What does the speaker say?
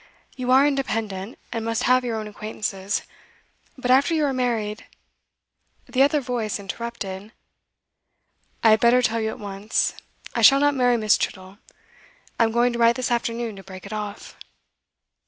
You are independent, and must have your own acquaintances. But after you are married ' The other voice interrupted. 'I had better tell you at once. I shall not marry Miss. Chittle. I am going to write this afternoon to break it off.